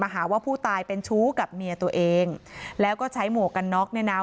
หาว่าผู้ตายเป็นชู้กับเมียตัวเองแล้วก็ใช้หมวกกันน็อกเนี่ยนะ